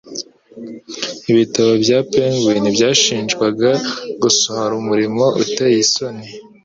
Ibitabo bya Penguin byashinjwaga gusohora umurimo uteye isoni